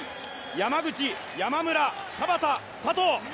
山口、山村、田端、佐藤。